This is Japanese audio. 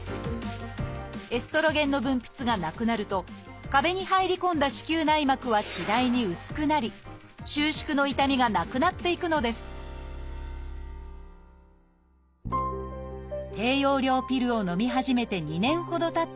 エストロゲンの分泌がなくなると壁に入り込んだ子宮内膜は次第に薄くなり収縮の痛みがなくなっていくのです低用量ピルをのみ始めて２年ほどたった岡崎さん。